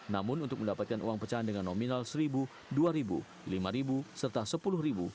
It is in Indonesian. namun untuk mendapatkan uang pecahan dengan nominal seribu dua ribu lima ribu serta sepuluh ribu